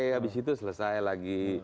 habis itu selesai lagi